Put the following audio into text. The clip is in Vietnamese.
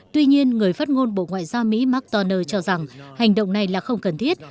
tuy nhiên người phát ngôn bộ ngoại giao mỹ mark toner cho rằng hành động này là không cần thiết